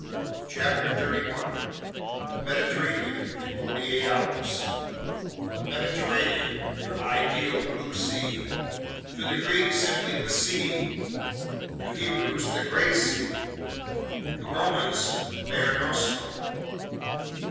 CHAPTER 7 The Mediterranean in Forty Eight Hours THE MEDITERRANEAN, your ideal blue sea: to Greeks simply "the sea," to Hebrews "the great sea," to Romans mare nostrum.